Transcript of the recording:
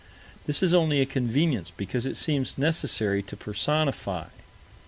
This is only a convenience, because it seems necessary to personify.